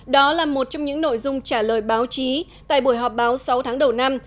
đó là một trong những nội dung trả lời báo chí tại buổi họp báo sáu tháng đầu năm